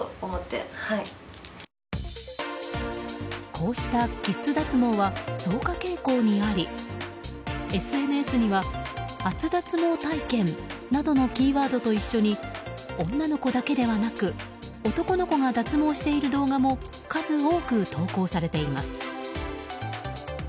こうしたキッズ脱毛は増加傾向にありＳＮＳには、初脱毛体験などのキーワードと一緒に女の子だけでなく男の子が脱毛している動画も数多く投稿されています。